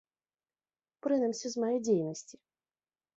Прынамсі з маёй дзейнасці.